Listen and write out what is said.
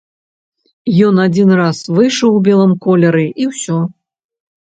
Ён адзін раз выйшаў у белым колеры і ўсё.